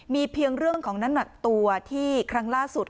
มีเพียงเรื่องของน้ำหนักตัวที่ครั้งล่าสุด